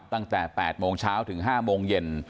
ตั้งแต่๘โมงเช้าถึง๕โมงเย็น